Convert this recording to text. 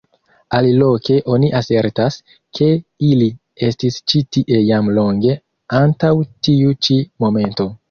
Aliloke oni asertas, ke ili estis ĉi tie jam longe antaŭ tiu ĉi momento.